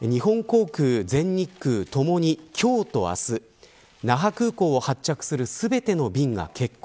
日本航空、全日空ともに今日と明日那覇空港を発着する全ての便が欠航。